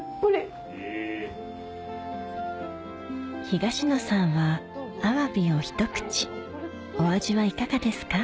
東野さんは鮑をひと口お味はいかがですか？